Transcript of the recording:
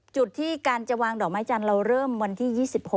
จุดที่การจะวางดอกไม้จันทร์เราเริ่มวันที่๒๖